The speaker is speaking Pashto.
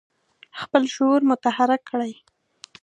خپل شعور متحرک کړي.